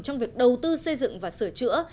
trong việc đầu tư xây dựng và sửa chữa